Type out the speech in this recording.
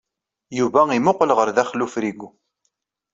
Yuba imuqel ɣer daxel ufrigu.